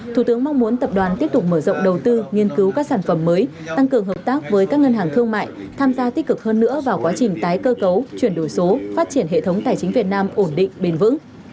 thủ tướng mong muốn tập đoàn tiếp tục mở rộng đầu tư nghiên cứu các sản phẩm mới tăng cường hợp tác với các ngân hàng thương mại tham gia tích cực hơn nữa vào quá trình tái cơ cấu chuyển đổi số phát triển hệ thống tài chính việt nam ổn định bền vững